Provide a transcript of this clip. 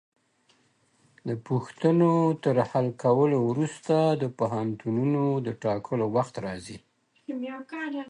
د پوښتنو تر حل کولو وروسته د پوهنتونونو د ټاکلو وخت راځي.